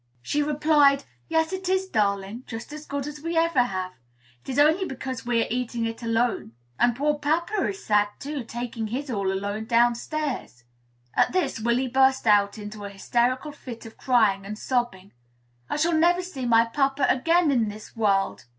She replied, "Yes, it is, darling; just as good as we ever have. It is only because we are eating it alone. And poor papa is sad, too, taking his all alone downstairs." At this Willy burst out into an hysterical fit of crying and sobbing. "I shall never see my papa again in this world."